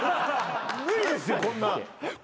無理ですよこんなん。